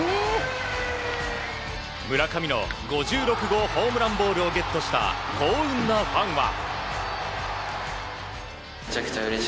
村上の５６号ホームランボールをゲットした幸運なファンは。